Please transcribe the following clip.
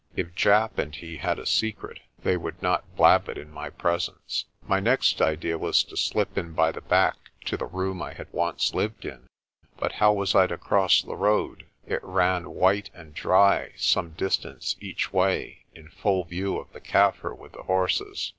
If Japp and he had a secret, they would not blab it in my presence. My next idea was to slip in by the back to the room I had once lived in. But how was I to cross the road? It ran white and dry some distance each way in full view of the Kaffir with the horses.